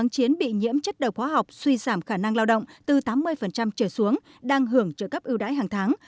chiến bị nhiễm chất đầu khóa học suy giảm khả năng lao động từ tám mươi trở xuống đang hưởng trợ cấp ưu đãi hàng tháng